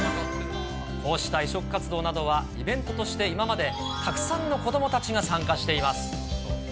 こうした移植活動などは、イベントとして今までたくさんの子どもたちが参加しています。